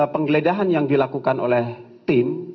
penggeledahan yang dilakukan oleh tim